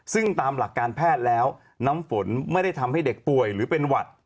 ซึ่งตามหลักการแพทย์แล้วน้ำฝนไม่ได้ทำให้เด็กป่วยหรือเป็นหวัด